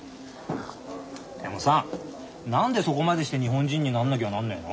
でもさ何でそこまでして日本人になんなきゃなんねえの？